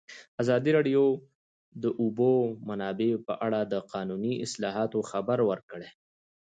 ازادي راډیو د د اوبو منابع په اړه د قانوني اصلاحاتو خبر ورکړی.